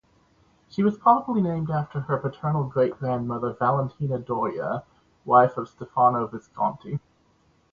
She was probably named after her paternal great-grandmother Valentina Doria, wife of Stefano Visconti.